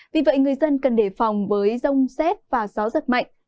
vì vậy người dân cần đề phòng với rông xét và gió giật mạnh